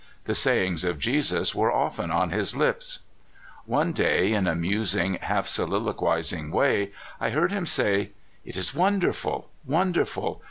The sayings of Jesus were often on his lips. One clay, in a musing, half soliloquizing way, I heard him say: "It is wonderful, wonderful